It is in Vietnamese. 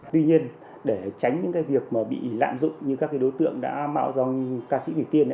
tuy nhiên để tránh những việc bị lạm dụng như các đối tượng đã mạo dòng ca sĩ nguyễn tiên